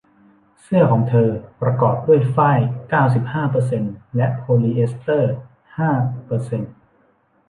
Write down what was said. เสื้อของเธอประกอบด้วยฝ้ายเก้าสิบห้าเปอร์เซ็นต์และโพลีเอสเตอร์ห้าเปอร์เซ็นต์